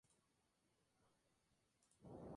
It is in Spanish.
La música de su período temprano fue para uso litúrgico.